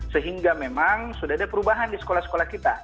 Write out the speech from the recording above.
sehingga memang sudah ada perubahan di sekolah sekolah kita